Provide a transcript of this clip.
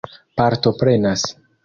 partoprenas